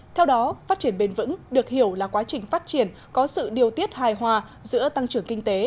theo đó phát triển bền vững được hiểu là quá trình phát triển có sự điều tiết hài hòa giữa tăng trưởng kinh tế